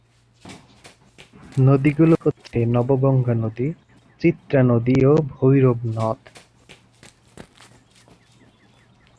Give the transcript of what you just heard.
নদীগুলো হচ্ছে নবগঙ্গা নদী, চিত্রা নদী ও ভৈরব নদ।